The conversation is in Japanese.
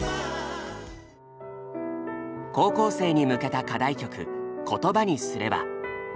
高校生に向けた課題曲「言葉にすれば」。